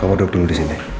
mau duduk dulu di sini